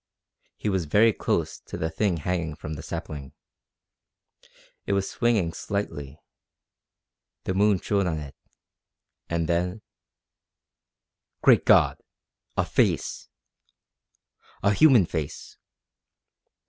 He was very close to the thing hanging from the sapling. It was swinging slightly. The moon shone on it, and then Great God! A face a human face!